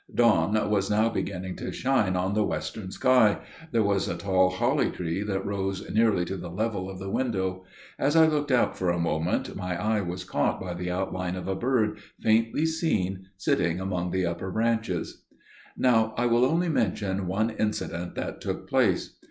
Dawn was now beginning to shine on the western sky. There was a tall holly tree that rose nearly to the level of the window. As I looked out for a moment my eye was caught by the outline of a bird, faintly seen, sitting among the upper branches. Now I will only mention one incident that took place.